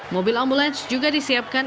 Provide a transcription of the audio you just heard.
mobil ambulance juga disiapkan